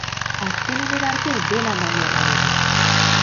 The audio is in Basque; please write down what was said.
Azken unera arte dena eman beharra dugu.